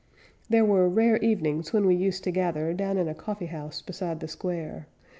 There were rare evenings when we used to gather Down in a coffee house beside the square.